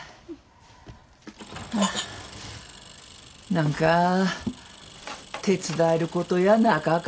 何か手伝えることやなかか。